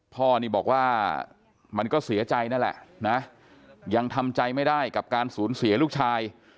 พ่อนี่บอกว่ามันก็เสียใจนั่นแหละนะยังทำใจไม่ได้กับการสูญเสียลูกชาย